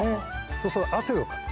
そうすると汗をかく。